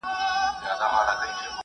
مزاره بې سوداګرو نه دی.